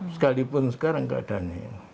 sekalipun sekarang tidak ada nih